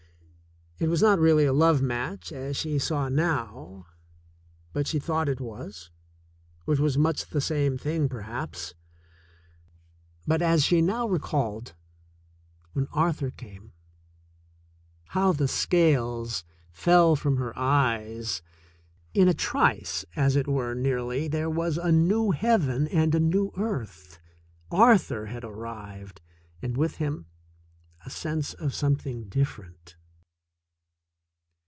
It was not really a love match, as she saw now, but she thought it was, which was much the same thing, per haps. But, as she now recalled, when Arthur came, how the scales fell from her eyes! In a trice, as it were, nearly, there was a new heaven and a new earth. Arthur had arrived, and with him a sense of something different.